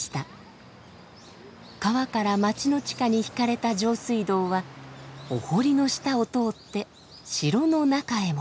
川から町の地下に引かれた上水道はお堀の下を通って城の中へも。